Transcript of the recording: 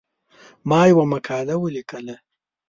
ما یوه مقاله ولیکله.